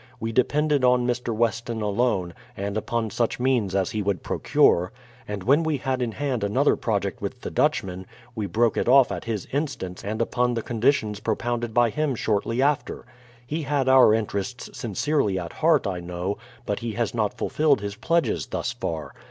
We depended on Mr. Weston alone, and upon such means as he would procure ; and when we had in hand another project with the Dutchmen, we broke it off at his instance and upon the conditions propounded by 40 BRADFORD'S HISTORY OF him shortly after. He had our interests sincerely at heart, I know; but he has not fulfilled his pledges thus far.